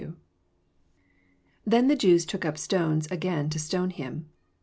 SI Then the Jews took np BtonM ftgain to stone him.